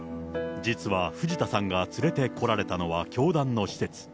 実は藤田さんが連れてこられたのは、教団の施設。